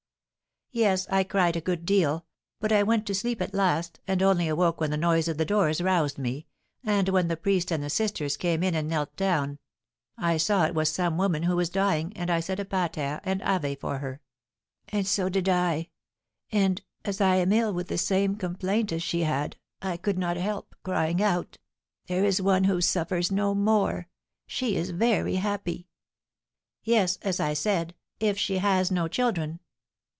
"Yes, I cried a good deal; but I went to sleep at last, and only awoke when the noise of the doors roused me; and when the priest and the sisters came in and knelt down; I saw it was some woman who was dying, and I said a Pater and Ave for her." "And so did I; and, as I am ill with the same complaint as she had, I could not help crying out, 'There is one who suffers no more; she is very happy!'" "Yes, as I said, if she has no children."